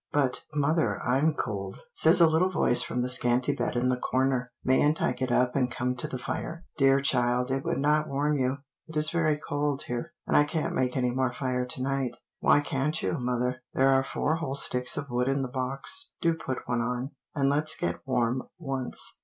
"But, mother, I'm cold," says a little voice from the scanty bed in the corner; "mayn't I get up and come to the fire?" "Dear child, it would not warm you; it is very cold here, and I can't make any more fire to night." "Why can't you, mother? There are four whole sticks of wood in the box; do put one on, and let's get warm once."